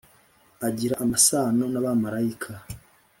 agira amasano n' abamarayika